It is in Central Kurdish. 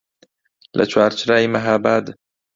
لە چوارچرای مەهاباد